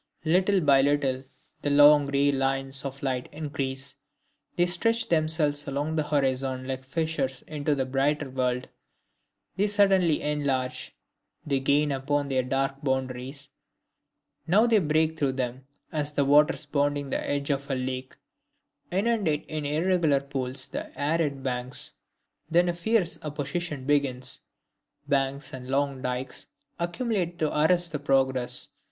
Little by little the long gray lines of light increase, they stretch themselves along the horizon like fissures into a brighter world. They suddenly enlarge, they gain upon their dark boundaries, now they break through them, as the waters bounding the edge of a lake inundate in irregular pools the arid banks. Then a fierce opposition begins, banks and long dikes accumulate to arrest the progress.